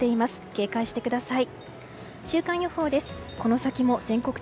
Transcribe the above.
警戒してください。